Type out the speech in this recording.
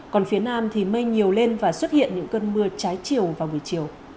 còn phía nam thì mây nhiều lên và xuất hiện những cơn mưa trái chiều vào buổi chiều